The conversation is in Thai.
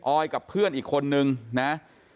อยกับเพื่อนอีกคนนึงนะ